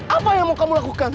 apa yang mau kamu lakukan